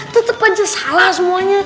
tetep aja salah semuanya